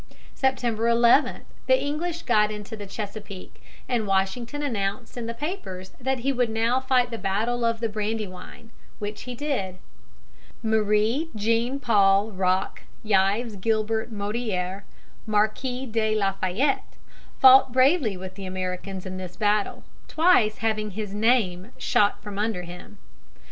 September 11 the English got into the Chesapeake, and Washington announced in the papers that he would now fight the battle of the Brandywine, which he did. [Illustration: THE COLONIAL SURPRISE PARTY AT TRENTON.] Marie Jean Paul Roch Yves Gilbert Motier, Marquis de La Fayette, fought bravely with the Americans in this battle, twice having his name shot from under him.